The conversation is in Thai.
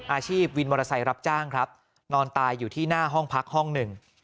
วินมอเตอร์ไซค์รับจ้างครับนอนตายอยู่ที่หน้าห้องพักห้องหนึ่ง